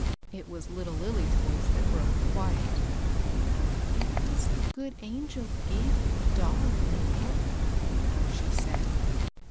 It was little Lilly's voice that broke the quiet. " It was a good angel gave you the dollar, Ma bel," she said.